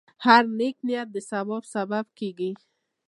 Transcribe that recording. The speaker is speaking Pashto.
هره نیکه نیت د ثواب سبب کېږي.